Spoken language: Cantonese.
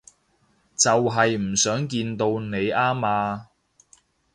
就係唔想見到你吖嘛